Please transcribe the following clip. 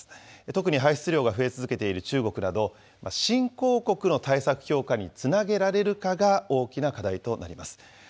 特に排出量が増え続けている中国など、新興国の対策強化につなげられるかが大きな課題となります。